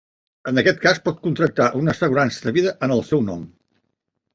En aquest cas pot contractar una assegurança de vida en el seu nom.